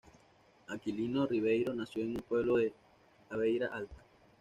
Aquilino Ribeiro nació en un pueblo de la Beira Alta.